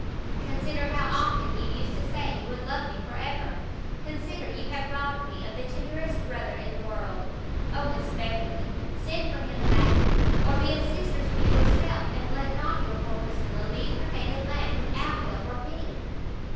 consider how often you used to say you would love me for ever! consider you have robbed me of the tenderest brother in the world! Oh Miss Beverley, send for him back, or be a sister to me yourself, and let not your poor Priscilla leave her native land without help or pity!"